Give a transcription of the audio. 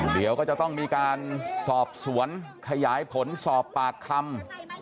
เดี๋ยวก็จะต้องมีการสอบสวนขยายผลสอบปากคำ